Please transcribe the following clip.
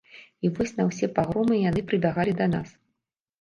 І вось на ўсе пагромы яны прыбягалі да нас.